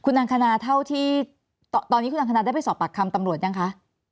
นางคณาเท่าที่ตอนนี้คุณอังคณาได้ไปสอบปากคำตำรวจยังคะ